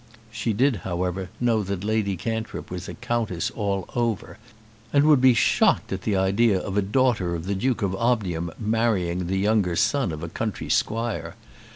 She did, however, know that Lady Cantrip was a countess all over, and would be shocked at the idea of a daughter of a Duke of Omnium marrying the younger son of a country squire.